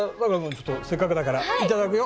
ちょっとせっかくだからいただくよ。